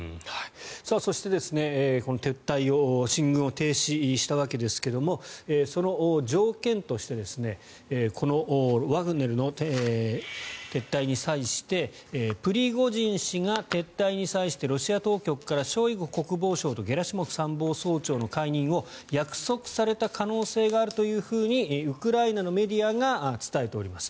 そして、この撤退を進軍を停止したわけですがその条件としてこのワグネルの撤退に際してプリゴジン氏が撤退に際してロシア当局からショイグ国防相とゲラシモフ参謀総長の解任を約束された可能性があるというふうにウクライナのメディアが伝えております。